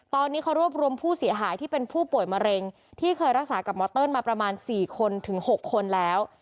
ตอนนี้เขารวบรวมผู้เสียหายที่เป็นผู้ป่วยมะเร็งที่เคยรักษากับหมอเติ้ลมาประมาณ๔คนถึง๖คนแล้ว